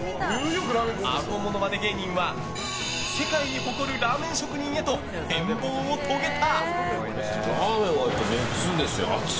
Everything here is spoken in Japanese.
あごものまね芸人は世界に誇るラーメン職人へと変貌を遂げた。